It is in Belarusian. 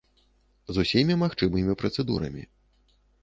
З усімі магчымымі працэдурамі.